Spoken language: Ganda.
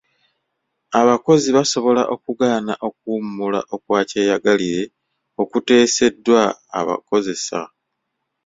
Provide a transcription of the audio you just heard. Abakozi basobola okugaana okuwummula okwakyeyagalire okuteeseddwa abakozesa.